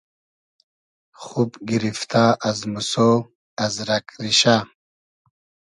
خوب گیریفتۂ از موسۉ از رئگ ریشۂ